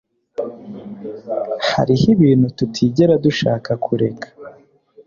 hariho ibintu tutigera dushaka kureka